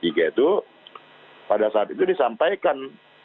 yang md tiga itu pada saat itu disampaikan